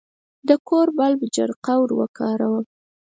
د کور بلب جرقه ورکاوه.